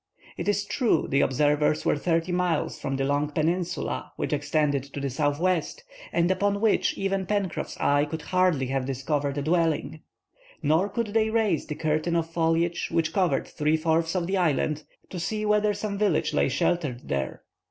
It is true, the observers were thirty miles from the long peninsula which extended to the southwest, and upon which even Pencroff's eye could hardly have discovered a dwelling. Nor could they raise the curtain of foliage which covered three fourths of the island to see whether some village lay sheltered there.